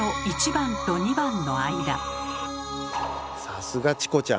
さすがチコちゃん！